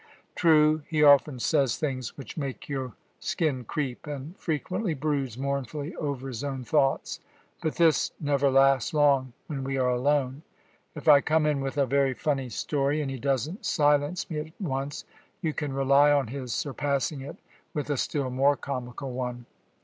True, he often says things which make your skin creep, and frequently broods mournfully over his own thoughts. But this never lasts long when we are alone. If I come in with a very funny story, and he doesn't silence me at once, you can rely on his surpassing it with a still more comical one.